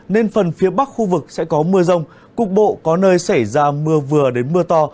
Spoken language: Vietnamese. nên phần phía bắc khu vực sẽ có mưa rông cục bộ có nơi xảy ra mưa vừa đến mưa to